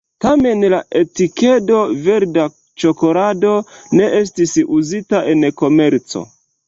Tamen la etikedo “verda ĉokolado ne estis uzita en komerco.